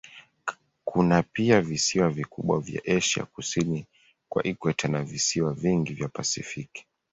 Kuna pia visiwa vikubwa vya Asia kusini kwa ikweta na visiwa vingi vya Pasifiki.